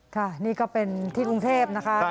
ค่ะนี่ก็เป็นที่กรุงเทพนะคะ